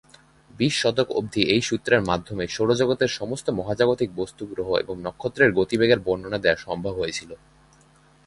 বিশ শতক অবধি এই সূত্রের মাধ্যমে সৌরজগতের সমস্ত মহাজাগতিক বস্তু, গ্রহ এবং নক্ষত্রের গতিবেগের বর্ণনা দেওয়া সম্ভব হয়েছিল।